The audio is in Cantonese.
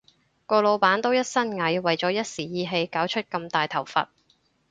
個老闆都一身蟻，為咗一時意氣搞出咁大頭佛